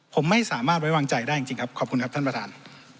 ผมไม่สามารถไว้วางใจได้จริงครับขอบคุณครับท่านประธาน